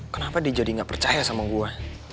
kenapa dia jadi nggak percaya sama gue